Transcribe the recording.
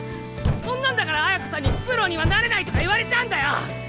そんなんだから綾子さんにプロにはなれないとか言われちゃうんだよ！